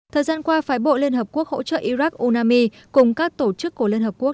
thời gian qua phái bộ liên hợp quốc hỗ trợ iraq unami cùng các tổ chức của liên hợp quốc